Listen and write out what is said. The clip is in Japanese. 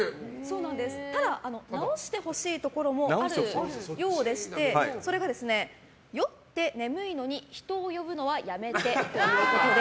ただ、直してほしいところもあるようでしてそれが酔って眠いのに人を呼ぶのはやめてということで。